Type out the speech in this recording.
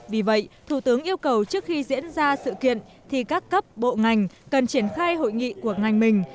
vì vậy thủ tướng yêu cầu trước khi diễn ra sự kiện thì các cấp bộ ngành cần triển khai hội nghị của ngành mình